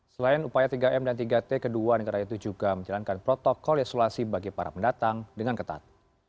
selain upaya tiga m dan tiga t kedua negara itu juga menjalankan protokol isolasi bagi para pendatang dengan ketat